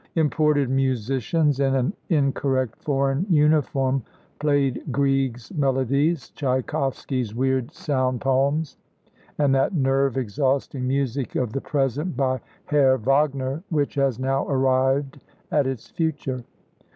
Imported musicians, in an incorrect foreign uniform, played Greig's melodies, Tschaikowsky's weird sound poems, and that nerve exhausting music of the present by Herr Wagner which has now arrived at its future.